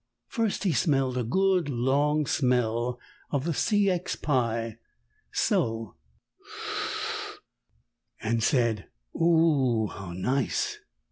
First he smelled a good long smell of the C. X. pie so and said, "O o oh! How nice!"